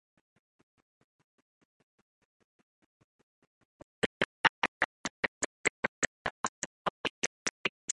Good and bad are antonyms as they represent opposite qualities or states.